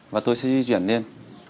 và tôi sẽ di chuyển lên